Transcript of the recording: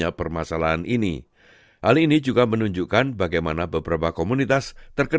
yang diperlukan oleh pemerintah penyelidikan parlamen dan penyelidikan parlamen